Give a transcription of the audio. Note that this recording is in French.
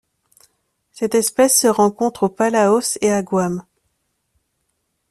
Cette espèce se rencontre aux Palaos et à Guam.